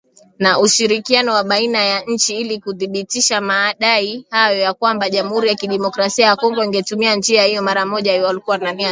Na ushirikiano wa baina ya nchi ili kuthibitisha madai hayo na kwamba Jamuhuri ya Kidemokrasia ya Kongo ingetumia njia hiyo mara moja iwapo walikuwa na nia nzuri”